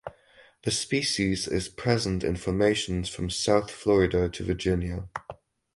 The species is present in formations from south Florida to Virginia.